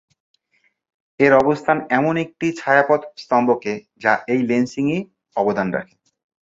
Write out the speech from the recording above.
এর অবস্থান এমন একটি ছায়াপথ স্তবকে যা এই লেন্সিং-এ অবদান রাখে।